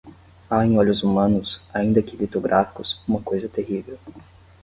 Há em olhos humanos, ainda que litográficos, uma coisa terrível